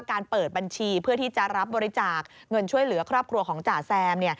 เปิดบัญชีเพื่อที่จะรับบริจาคเงินช่วยเหลือครอบครัวของจ่าแซม